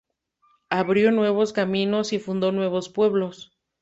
Abrió nuevos caminos y fundó nuevos pueblos.